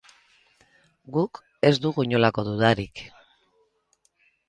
Guk ez dugu inolako dudarik!